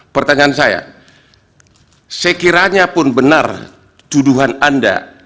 pertanyaan saya sekiranya pun benar tuduhan anda